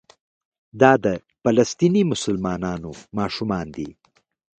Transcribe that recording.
دا د فلسطیني مسلمانانو ماشومان دي.